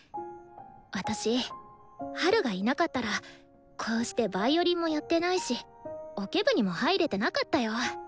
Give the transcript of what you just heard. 私ハルがいなかったらこうしてヴァイオリンもやってないしオケ部にも入れてなかったよ。